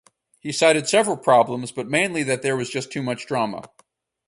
He cited several problems but mainly that there was just too much drama.